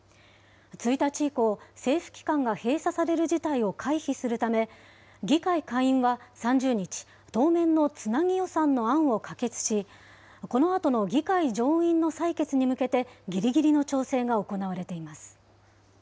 １日以降、政府機関が閉鎖される事態を回避するため、議会下院は３０日、当面のつなぎ予算の案を可決し、このあとの議会上院の採決に向けて、ぎりぎりの調整が行われています。